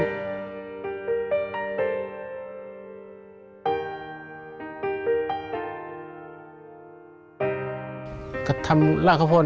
ศีลจะตกไปถึงลูกถึงหลาน